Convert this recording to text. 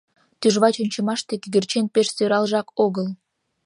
Тӱжвач ончымаште кӧгӧрчен пеш сӧралжак огыл.